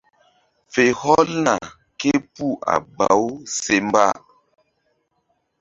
Fe hɔlna képuh a baw se mba.